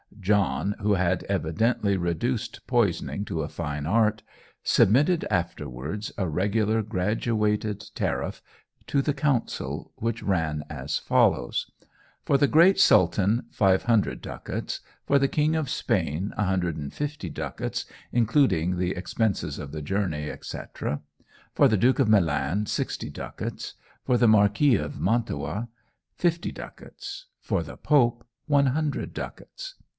John, who had evidently reduced poisoning to a fine art, submitted afterwards a regular graduated tariff to the Council, which ran as follows For the great Sultan, 500 ducats. For the King of Spain, 150 ducats, including the expenses of the journey, etc. For the Duke of Milan, 60 ducats. For the Marquis of Mantua, 50 ducats. For the Pope, 100 ducats.